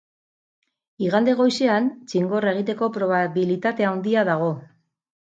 Igande goizean, txingorra egiteko probabilitate handia dago.